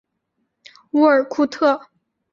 乌尔库特。